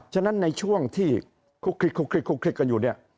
ฉะนั้นในช่วงที่คุกคลิกคุกคลิกคุกคลิกคุกคลิกกันอยู่เนี่ย